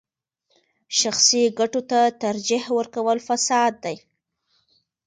شخصي ګټو ته ترجیح ورکول فساد دی.